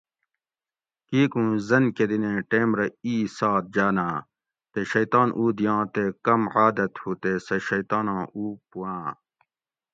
کیک اوں زنکدنیں ٹیم رہ ای سات جاناۤ تے شیطان اُو دیاں تے کم عادت ہُو تے سہ شیطاناں اُو پوآں